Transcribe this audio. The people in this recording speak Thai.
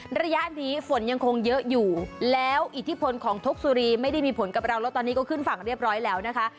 ระยะนี้ฝนยังคงเยอะอยู่แล้วอิทธิพลของทกสุรีไม่ได้มีผลกับเราแล้วตอนนี้ก็ขึ้นฝั่งเรียบร้อยแล้วนะคะ